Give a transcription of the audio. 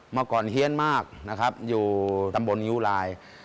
เมื่อก่อนเฮียนมากอยู่ตำบลิ์นิวราย